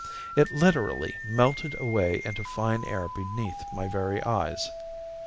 It literally melted away into fine air beneath my very eyes.